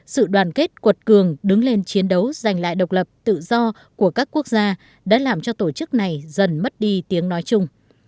sự đoàn kết quật cường đứng lên chiến đấu giành lại độc lập tự do của các quốc gia đã làm cho tổ chức này dần mất đi tiếng nói chung